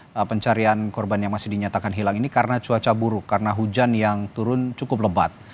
untuk pencarian korban yang masih dinyatakan hilang ini karena cuaca buruk karena hujan yang turun cukup lebat